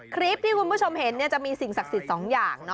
คลิปที่คุณผู้ชมเห็นจะมีสิ่งศักดิ์สิทธิ์๒อย่าง